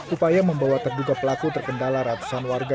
upaya membawa terduga pelaku terkendala ratusan warga